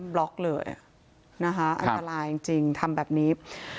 บล็อกเลยนะคะอันตรายจริงทำแบบนี้